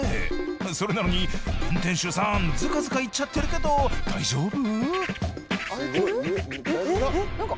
それなのに運転手さんズカズカ行っちゃってるけど大丈夫？